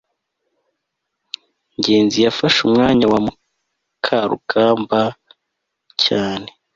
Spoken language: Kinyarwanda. ngenzi yafashe umwanya wa mukarugambwa cyane